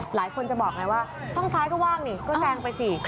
หลายคนจะบอกไงว่าช่องซ้ายก็ว่างนี่ก็แซงไปสิ